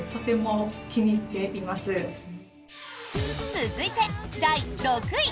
続いて、第６位。